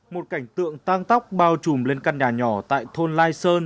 một cảnh tượng tăng tóc bao trùm lên căn nhà nhỏ tại thôn lai sơn